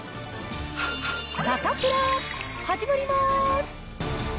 サタプラ、始まります。